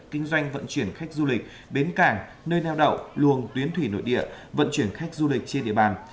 kinh doanh vận chuyển khách du lịch bến cảng nơi neo đậu luồng tuyến thủy nội địa vận chuyển khách du lịch trên địa bàn